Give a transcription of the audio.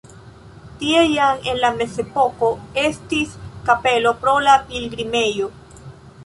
Tie jam en la mezepoko estis kapelo pro la pilgrimejo.